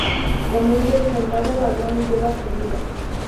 Con ello el soldado ladrón salva su vida.